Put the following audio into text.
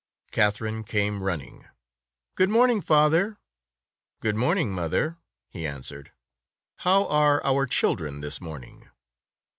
Katherine came running. "Good morn ing, father." "Good morning, mother," he answered. "How are our children this morning?"